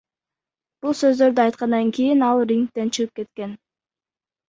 Бул сөздөрдү айткандан кийин ал рингден чыгып кеткен.